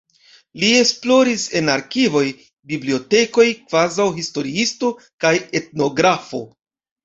Li esploris en arkivoj, bibliotekoj kvazaŭ historiisto kaj etnografo.